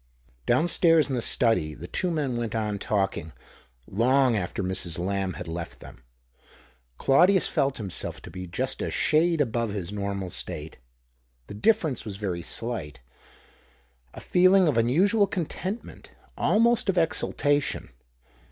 3owxsTAiRS in the study the two men went >n talking, long after Mrs. Lamb had left hem. Claudius felt himself to be just a hade above his normal state. The difference vas very slight — a feeling of unusual content nent, almost of exaltation.